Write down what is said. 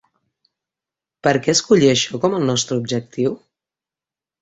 Per què escollir això com el nostre objectiu?